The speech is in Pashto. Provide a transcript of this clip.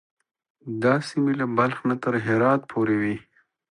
دا سیمې له بلخ نه تر هرات پورې وې.